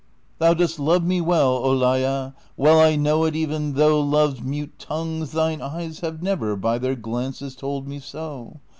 Thou dost love me well, Olalla ; Well I know it, even though Love's mute tongues, thine eyes, have never By their glances told me so.